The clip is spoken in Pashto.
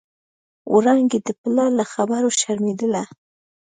وړانګې د پلار له خبرو شرمېدله.